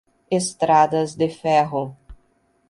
estradas de ferro